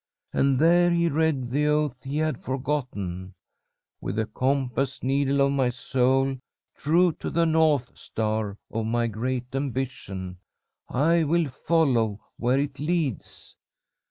And there he read the oath he had forgotten: 'With the compass needle of my soul true to the north star of my great ambition, I will follow where it leads.'